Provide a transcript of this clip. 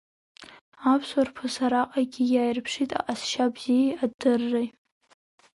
Аԥсуа рԥыс араҟагьы иааирԥшит аҟазшьа бзиеи адырреи.